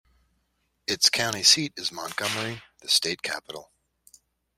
Its county seat is Montgomery, the state capital.